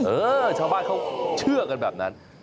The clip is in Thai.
เออชาวบ้านเขาเชื่อกันแบบนั้น